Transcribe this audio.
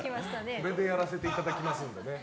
これでやらせていただきますんでね。